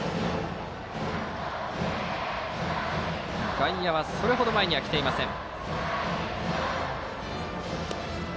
外野はそれほど前に来ていません。